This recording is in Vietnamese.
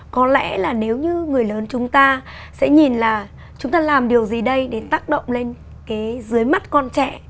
có lẽ là nếu như người lớn chúng ta sẽ nhìn là chúng ta làm điều gì đây đến tác động lên cái dưới mắt con trẻ